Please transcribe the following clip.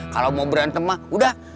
kalau mau berantem mah udah